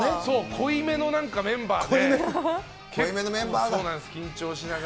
濃いめのメンバーが。